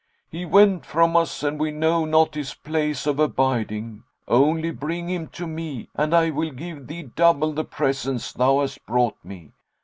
he went from us and we know not his place of abiding; only bring him to me, and I will give thee double the presents thou hast brought me."